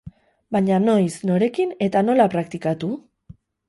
Baina noiz, norekin eta nola praktikatu?